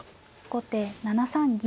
後手７三銀。